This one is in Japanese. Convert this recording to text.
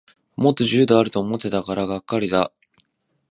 もっと自由度あると思ってたからがっかりだ